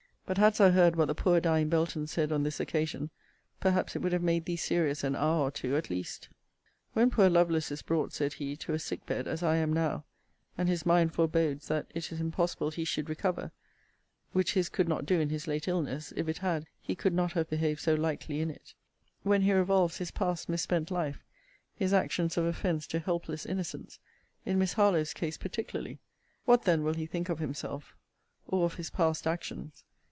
But hadst thou heard what the poor dying Belton said on this occasion, perhaps it would have made thee serious an hour or two, at least. 'When poor Lovelace is brought,' said he, 'to a sick bed, as I am now, and his mind forebodes that it is impossible he should recover, (which his could not do in his late illness: if it had, he could not have behaved so lightly in it;) when he revolves his past mis spent life; his actions of offence to helpless innocents; in Miss Harlowe's case particularly; what then will he think of himself, or of his past actions?